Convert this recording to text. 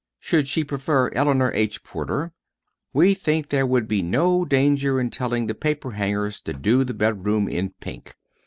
Should she prefer Eleanor H. Porter, we think there would be no danger in telling the paperhangers to do the bedroom in pink.